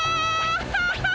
ハハハハハ！